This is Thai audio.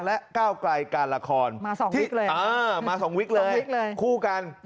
และก้าวไกลการละครมา๒วิกเลยคู่กัน